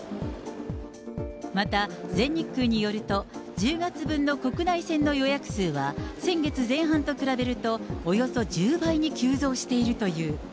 また、全日空によると、１０月分の国内線の予約数は、先月前半と比べると、およそ１０倍に急増しているという。